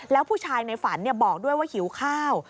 แล้วผู้ชายในฝันบอกด้วยว่าหิวข้าว